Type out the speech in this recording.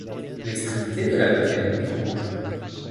L'extrémité de l'abdomen est rouge.